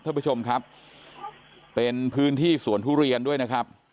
ท่านผู้ชมครับเป็นพื้นที่สวนทุเรียนด้วยนะครับ